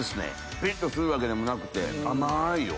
ビリ！っとするわけでもなくて甘いよ。